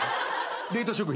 冷凍食品？